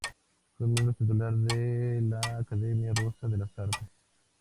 Fue miembro titular de la Academia Rusa de las Artes.